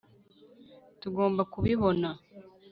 tugomba kubibona